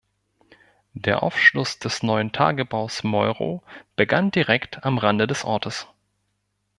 Der Aufschluss des neuen Tagebaus Meuro begann direkt am Rande des Ortes.